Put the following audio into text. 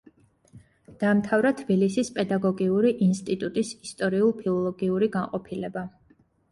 დაამთავრა თბილისის პედაგოგიური ინსტიტუტის ისტორიულ-ფილოლოგიური განყოფილება.